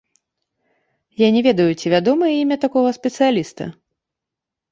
Я не ведаю, ці вядомае імя такога спецыяліста.